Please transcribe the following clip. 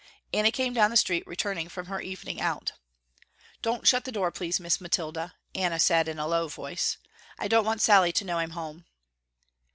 Anna came down the street, returning from her evening out. "Don't shut the door, please, Miss Mathilda," Anna said in a low voice, "I don't want Sallie to know I'm home."